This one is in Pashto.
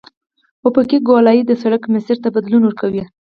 افقي ګولایي د سرک مسیر ته بدلون ورکوي